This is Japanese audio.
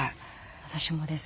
私もです。